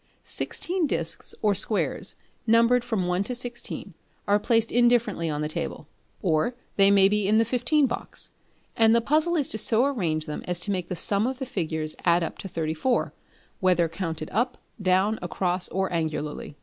Sixteen discs or squares, numbered from 1 to 16, are placed indifferently on the table or they may be in the fifteen box; and the puzzle is to so arrange them as to make the sum of the figures add up to 34, whether counted up, down, across or angularly.